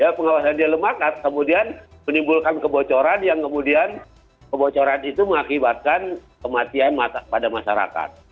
kalau pengawasan dia lemah kemudian menimbulkan kebocoran yang kemudian kebocoran itu mengakibatkan kematian pada masyarakat